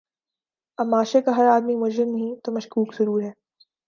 اب معاشرے کا ہر آدمی مجرم نہیں تو مشکوک ضرور ہے۔